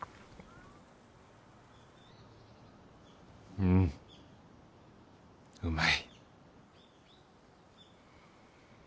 うんうまい・